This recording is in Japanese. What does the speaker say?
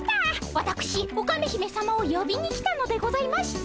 わたくしオカメ姫さまをよびに来たのでございました。